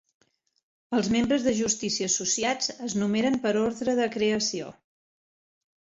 Els membres de justícia associats es numeren per ordre de creació.